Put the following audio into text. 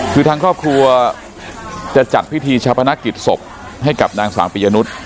คือทางครอบครัวจะจัดพิธีชาพนักกิจศพให้กับนางสาวปิยนุษย์